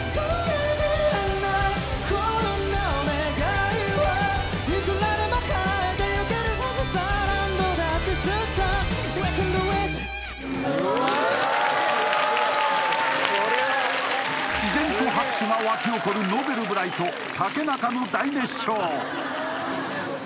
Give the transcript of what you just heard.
いまだ自然と拍手が沸き起こるＮｏｖｅｌｂｒｉｇｈｔ竹中の大熱唱！